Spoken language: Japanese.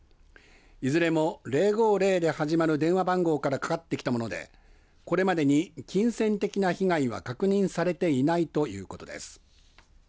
いずれも０５０で始まる電話番号からかかってきたものでこれまでに金銭的な被害は確認されていないということです。